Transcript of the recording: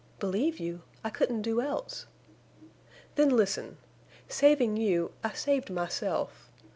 "Believe you! I couldn't do else." "Then listen!... Saving you, I saved myself.